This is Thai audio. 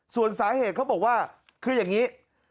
ส่วนสาเหตุเขาบอกว่าคืออย่างนี้